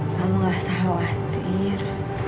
kamu gak usah khawatir